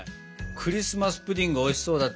クリスマス・プディングおいしそうだったよね。